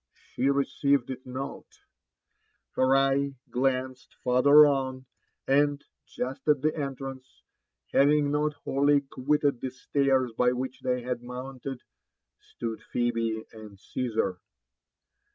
She received it not ;^her eye glanced farther on, and, just at the entrance, having not wholly quitted the stair by which they had mounted, stood Phebe and Caesar.